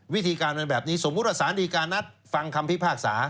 วิธีการเป็นแบบนี้สมมุติว่าสารดีการนัดฟังคำพิพากษา